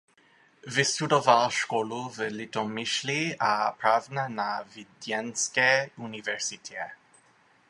Vystudoval školu v Litomyšli a práva na Vídeňské univerzitě.